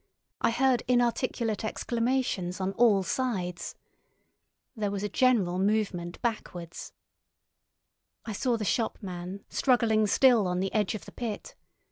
I heard inarticulate exclamations on all sides. There was a general movement backwards. I saw the shopman struggling still on the edge of the pit.